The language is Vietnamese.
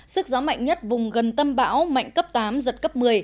sức gió mạnh nhất vùng gần tâm bão mạnh cấp tám giật cấp một mươi